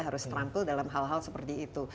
harus terampil dalam hal hal seperti itu